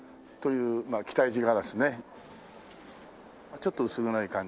ちょっと薄暗い感じ。